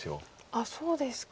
あっそうですか。